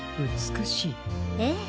ええ。